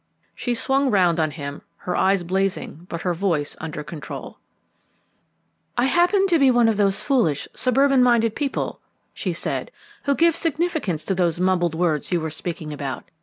She swung round on him, her eyes blazing but her voice under control. "I happen to be one of those foolish, suburban minded people," she said, "who give significance to those mumbled words you were speaking about.